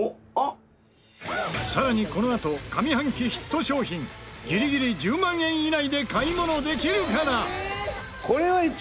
さらにこのあと上半期ヒット商品ギリギリ１０万円以内で買い物できるかな。